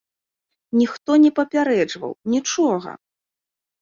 Ніхто не папярэджваў, нічога!